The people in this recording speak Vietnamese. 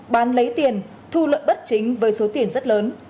bán lấy tiền thu lợi bất chính với số tiền rất lớn